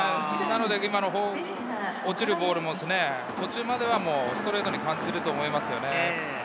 今の落ちるボールも途中まではストレートに感じると思いますね。